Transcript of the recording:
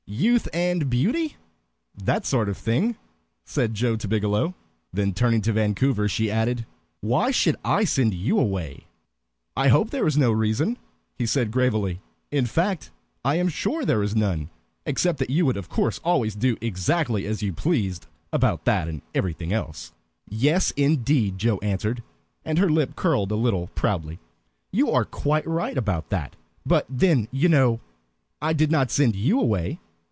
"Youth and beauty? That sort of thing?" said Joe to Biggielow. Then turning to Vancouver, she added, "Why should I send you away?" "I hope there is no reason," he said gravely. "In fact, I am sure there is none, except that you would of course always do exactly as you pleased about that and everything else." "Yes, indeed," Joe answered, and her lip curled a little proudly, "you are quite right about that. But then, you know, I did not send you away."